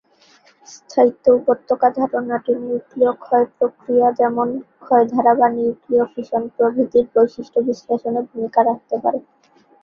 স্থায়িত্ব উপত্যকা ধারণাটি নিউক্লীয় ক্ষয় প্রক্রিয়া, যেমন ক্ষয় ধারা বা নিউক্লীয় ফিশন, প্রভৃতির বৈশিষ্ট্য বিশ্লেষণে ভূমিকা রাখতে পারে।